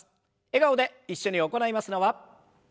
笑顔で一緒に行いますのは。